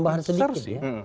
tambahan sedikit ya